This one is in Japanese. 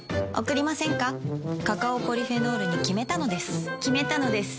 カカオポリフェノールに決めたのです決めたのです。